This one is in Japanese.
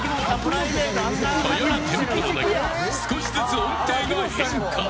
早いテンポの中少しずつ音程が変化。